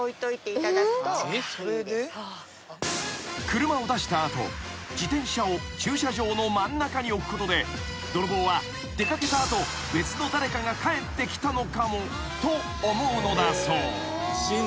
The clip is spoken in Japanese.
［車を出した後自転車を駐車場の真ん中に置くことで泥棒は出掛けた後別の誰かが帰ってきたのかもと思うのだそう］